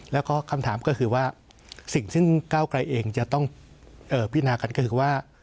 แล้วก็คำถามก็คือว่าสิ่งซึ่งก้าวไกลเองจะต้องพินากันก็คือว่า